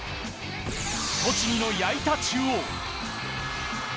栃木の矢板中央。